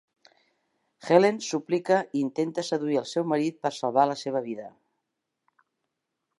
Helen suplica i intenta seduir al seu marit per salvar la seva vida.